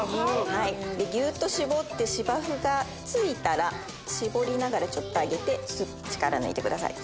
ギュっと絞って芝生がついたら絞りながらちょっと上げてスッと力抜いてください。